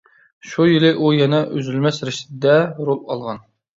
شۇ يىلى ئۇ يەنە «ئۈزۈلمەس رىشتە» دە رول ئالغان.